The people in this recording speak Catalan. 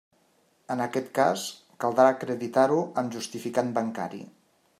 En aquest cas, caldrà acreditar-ho amb justificant bancari.